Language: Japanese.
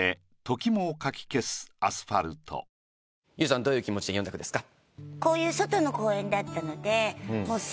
ＹＯＵさんどういう気持ちで詠んだ句ですか？